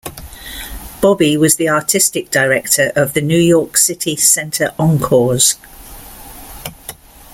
Bobbie was the artistic director of the New York City Center Encores!